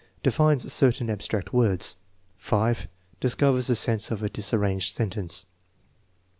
Defines certain abstract words. ft, Discovers the sense of a disarranged sentence.